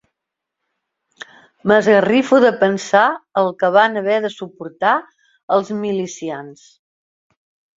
M'esgarrifo de pensar el que van haver de suportar els milicians